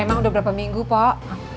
emang udah berapa minggu pak